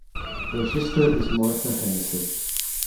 Her sister is Martha Hennessy.